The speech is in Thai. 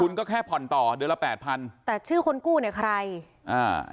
คุณก็แค่ผ่อนต่อเดือนละแปดพันแต่ชื่อคนกู้เนี่ยใครอ่า